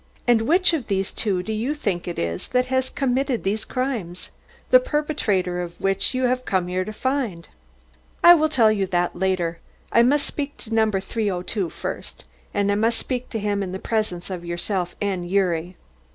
And which of these two do you think it is that has committed these crimes the perpetrator of which you have come here to find?" "I will tell you that later. I must speak to No. 302 first, and I must speak to him in the presence of yourself and Gyuri."